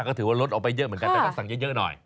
ก็ถือว่าลดออกไปเยอะเหมือนกันแต่ต้องสั่งเยอะหน่อย